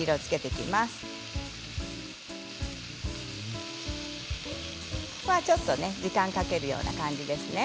ここは、ちょっと時間をかけるような感じですね。